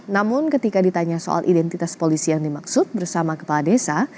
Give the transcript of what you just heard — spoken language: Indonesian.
namun ketika ditanya soal identitas polisi yang dimaksud bersama kepala desa